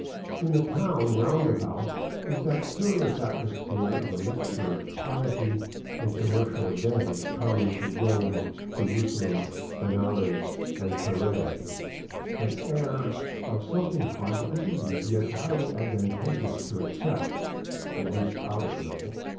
In the town roundabout is that curious atmosphere of a mixture of piety and commercial advantage common to Rome, Jerusalem, Benares, and Puree, an air of something hard to believe, yet highly advantageous to accept, at least outwardly.